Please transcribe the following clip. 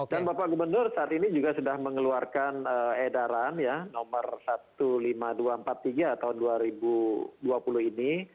dan bapak gubernur saat ini juga sudah mengeluarkan edaran ya nomor lima belas ribu dua ratus empat puluh tiga tahun dua ribu dua puluh ini